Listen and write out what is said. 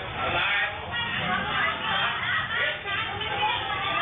แกบอกว่าหรอหรอ